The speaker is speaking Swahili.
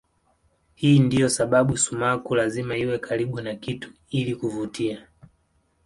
Hii ndiyo sababu sumaku lazima iwe karibu na kitu ili kuvutia.